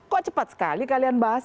kok cepat sekali kalian bahas